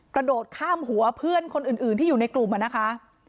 กระโดดข้ามหัวเพื่อนคนอื่นที่อยู่ในกลุ่มนะคะ